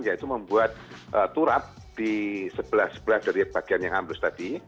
yaitu membuat turap di sebelah sebelah dari bagian yang ambles tadi